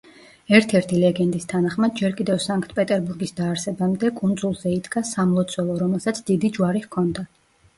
ერთ-ერთი ლეგენდის თანახმად, ჯერ კიდევ სანქტ-პეტერბურგის დაარსებამდე, კუნძულზე იდგა სამლოცველო, რომელსაც დიდი ჯვარი ჰქონდა.